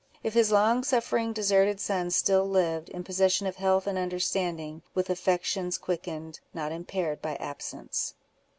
—if his long suffering deserted son still lived, in possession of health and understanding, with affections quickened, not impaired by absence?